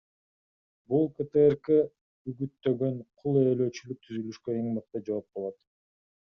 Бул КТРК үгүттөгөн кул ээлөөчүлүк түзүлүшкө эң мыкты жооп болот.